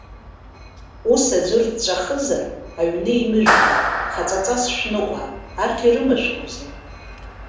Ус аӡәыр дҵәахызар, аҩны еимыжәда, хаҵаҵас шәныҟәа, арҭ ирымашәкузеи?